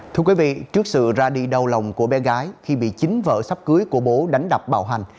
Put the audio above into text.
thưa quý vị trước sự ra đi đau lòng của bé gái khi bị chính vợ sắp cưới của bố đánh đập bạo hành